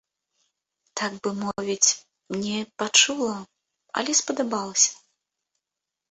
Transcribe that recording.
Так бы мовіць, не пачула, але спадабалася.